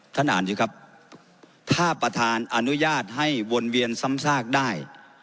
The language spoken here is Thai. ท่านอ่านสิครับถ้าประธานอนุญาตให้วนเวียนซ้ำซากได้